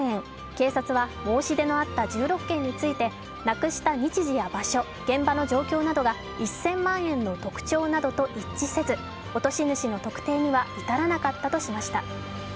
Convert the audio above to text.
警察は申し出のあった１６件について、なくした日時や場所、現場の状況などが１０００万円の特徴などと一致せず落とし主の特定には至らなかったとしました。